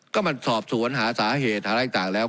ก็มันสอบสู่ปัญหาสาเหตุอะไรต่างแล้ว